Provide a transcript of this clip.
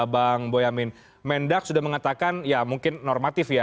bang boyamin mendak sudah mengatakan ya mungkin normatif ya